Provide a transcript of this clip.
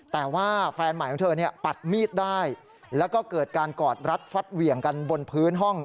แต่ว่าแฟนใหม่ของเธอเนี่ยปัดมีดได้แล้วก็เกิดการกอดรัดฟัดเหวี่ยงกันบนพื้นห้อง